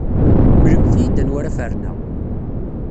Mlemt-iyi-d anwa ara ferneɣ.